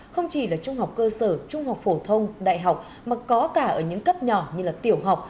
không chỉ là trung học cơ sở trung học phổ thông đại học mà có cả ở những cấp nhỏ như tiểu học